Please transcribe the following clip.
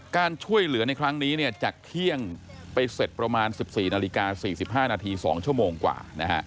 การช่วยเหลือในครั้งนี้จากเที่ยงไปเสร็จประมาณ๑๔นาฬิกา๔๕นาที๒ชั่วโมงกว่า